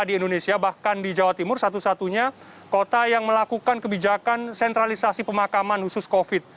di indonesia bahkan di jawa timur satu satunya kota yang melakukan kebijakan sentralisasi pemakaman khusus covid